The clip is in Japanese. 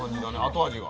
後味が。